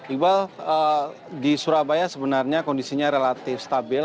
iqbal di surabaya sebenarnya kondisinya relatif stabil